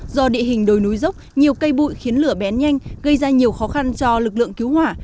do địa hình đồi núi dốc nhiều cây bụi khiến lửa bén nhanh gây ra nhiều khó khăn cho lực lượng cứu hỏa